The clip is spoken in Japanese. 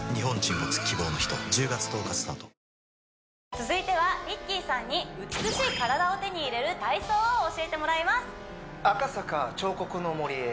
続いてはＲＩＣＫＥＹさんに美しい体を手に入れる体操を教えてもらいます